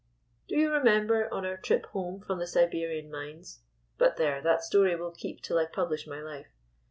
Do you remember, on our trip home from the Siberian mines — But there, that story will keep till I publish my life.